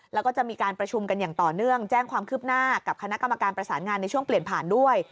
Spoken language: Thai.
แล้วก็จะมีการประชุมกันอย่างต่อเนื่องแจ้งความคืบหน้ากับคณะกรรมการประสานงานในช่วงเปลี่ยนผ่านด้วย